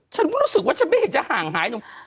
ฉันก็รู้สึกว่าฉันไม่เห็นจะห่างหายหนุ่ม